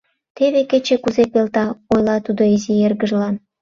- Теве кече кузе пелта, - ойла тудо изи эргыжлан.